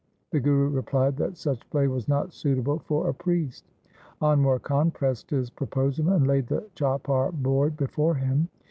The Guru replied that such play was not suitable for a priest. Anwar Khan pressed his pro posal, and laid the chaupar board before him.